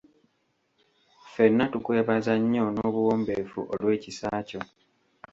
Ffenna tukwebaza nnyo n'obuwombeefu olw'ekisa kyo.